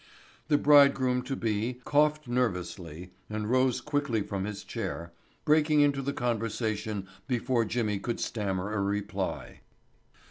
The bridegroom to be coughed nervously and rose quickly from his chair, breaking into the conversation before Jimmy could stammer a reply.